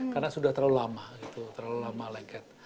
karena sudah terlalu lama gitu terlalu lama lengket